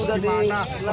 sudah di mana